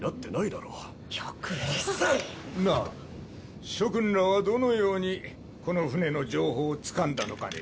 なあ諸君らはどのようにこの船の情報をつかんだのかね？